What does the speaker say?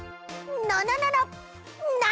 なななな！